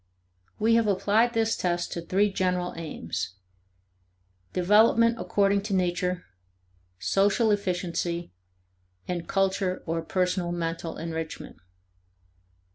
We have applied this test to three general aims: Development according to nature, social efficiency, and culture or personal mental enrichment.